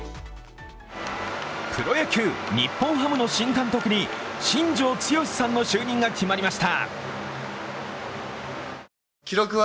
プロ野球、日本ハムの新監督に新庄剛志さんの就任が決まりました。